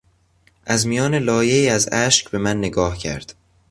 از میان لایهای از اشک به من نگاه کرد.